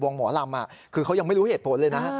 หมอลำคือเขายังไม่รู้เหตุผลเลยนะฮะ